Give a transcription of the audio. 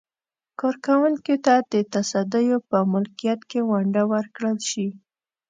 کارکوونکو ته د تصدیو په ملکیت کې ونډه ورکړل شي.